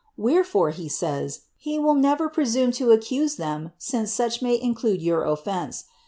Wherefore, he say^ he will nerer presume to accuse them since such may include your offence.